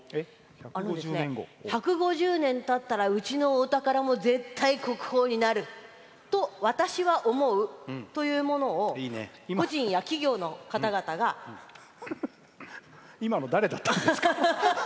１５０年たったらうちのお宝も絶対国宝になると私は思うというものを今の誰だったんですか？